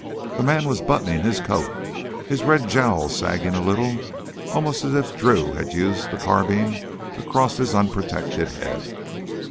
The man was buttoning his coat, his red jowls sagging a little, almost as if Drew had used the carbine across his unprotected head.